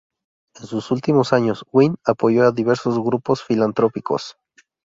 En sus últimos años, Wynn apoyó a diversos grupos filantrópicos.